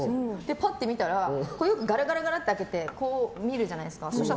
パってみたらよくガラガラって開けてこう見るじゃないですか。